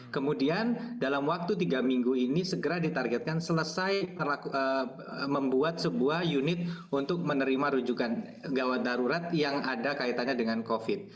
kemudian dalam waktu tiga minggu ini segera ditargetkan selesai membuat sebuah unit untuk menerima rujukan gawat darurat yang ada kaitannya dengan covid